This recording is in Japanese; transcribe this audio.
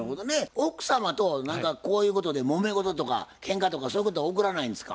奥様と何かこういうことでもめごととかケンカとかそういうことは起こらないんですか？